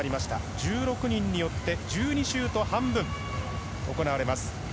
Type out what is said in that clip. １６人によって１２周と半分行われます。